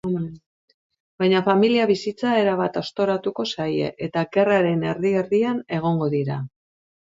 Baina familia bizitza erabat aztoratuko zaie, eta gerraren erdi-erdian egongo dira.